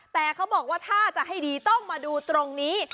แต่เขาบอกว่าถ้าจะให้ดีต้องมาดูตรงนี้